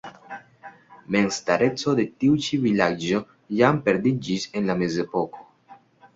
Memstareco de tiu ĉi vilaĝo jam perdiĝis en la Mezepoko.